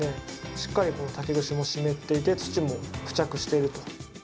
しっかり竹串も湿っていて土も付着していると。